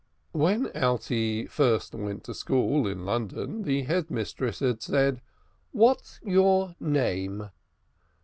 When Alte first went to school in London, the Head Mistress said, "What's your name?"